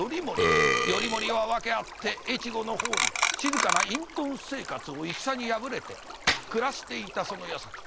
頼盛は訳あって越後の方に静かな隠とん生活を戦に敗れて暮らしていたそのやさき。